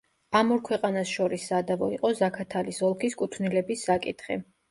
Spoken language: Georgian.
ამ ორ ქვეყანას შორის სადავო იყო ზაქათალის ოლქის კუთვნილების საკითხი.